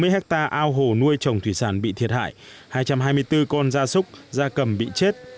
tám mươi hectare ao hồ nuôi trồng thủy sản bị thiệt hại hai trăm hai mươi bốn con da súc da cầm bị chết